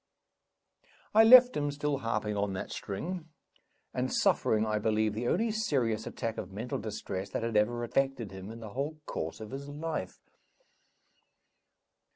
I left him still harping on that string, and suffering, I believe, the only serious attack of mental distress that had ever affected him in the whole course of his life.